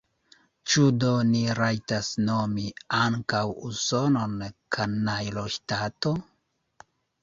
Ĉu do ni rajtas nomi ankaŭ Usonon kanajloŝtato?